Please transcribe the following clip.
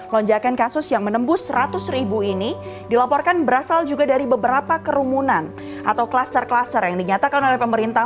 lonjakan kasus yang menembus seratus ribu ini dilaporkan berasal juga dari beberapa kerumunan atau kluster kluster yang dinyatakan oleh pemerintah